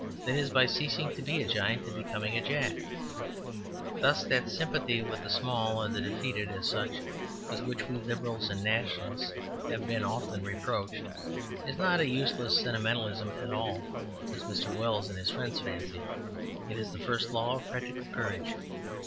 That is by ceasing to be a giant and becoming a Jack. Thus that sympathy with the small or the defeated as such, with which we Liberals and Nationalists have been often reproached, is not a useless sentimentalism at all, as Mr. Wells and his friends fancy. It is the first law of practical courage.